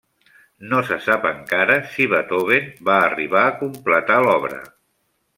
No se sap encara si Beethoven va arribar a completar l'obra.